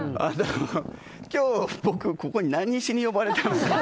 今日、僕ここに何しに呼ばれたんですか？